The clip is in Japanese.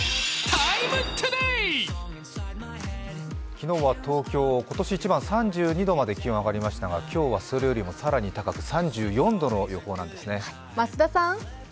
昨日は東京、今年一番３２度まで上がりましたが、今日はそれよりも更に高く、３４度の予報なんですね。